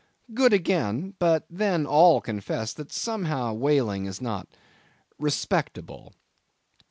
Good again; but then all confess that somehow whaling is not respectable.